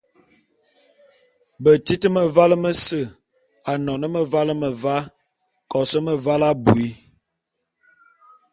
Betit mevale mese, anon meval meva, kos meval abui.